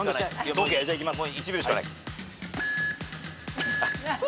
じゃあいきます。